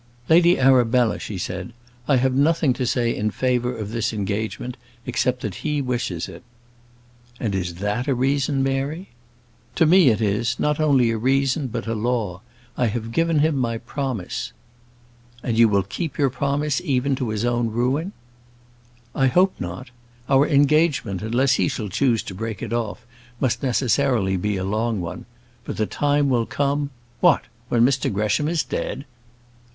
"Lady Arabella," she said, "I have nothing to say in favour of this engagement, except that he wishes it." "And is that a reason, Mary?" "To me it is; not only a reason, but a law. I have given him my promise." "And you will keep your promise even to his own ruin?" "I hope not. Our engagement, unless he shall choose to break it off, must necessarily be a long one; but the time will come " "What! when Mr Gresham is dead?"